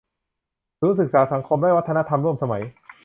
ศูนย์ศึกษาสังคมและวัฒนธรรมร่วมสมัย